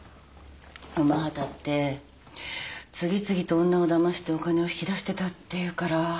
午端って次々と女をだましてお金を引き出してたっていうから。